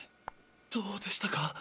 どうでしたか？